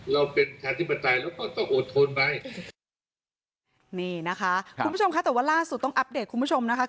เราเป็นชาติปศัตริบตรายเราก็ต้องโอดทนไป